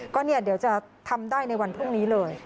ก็เดี๋ยวจะทำได้ในวันพรุ่งนี้เลย